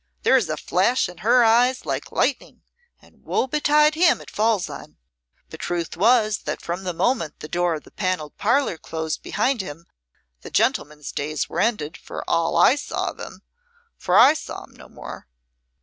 There is a flash in her eye like lightning, and woe betide him it falls on. But truth was that from the moment the door of the Panelled Parlour closed behind him the gentleman's days were ended, for all I saw of him, for I saw him no more."